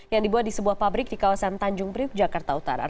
yang dibuat di sebuah pabrik di kawasan tanjung priuk jakarta utara